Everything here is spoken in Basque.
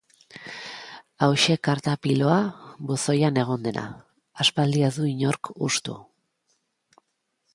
Hauxe karta piloa buzoian egon dena, aspaldi ez du inork hustu.